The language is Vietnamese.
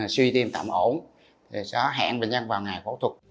suy tim tạm ổn rồi hẹn bệnh nhân vào ngày phẫu thuật